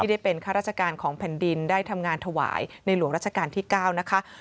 ได้เป็นข้าราชการของแผ่นดินได้ทำงานถวายในหลวงราชการที่๙นะคะ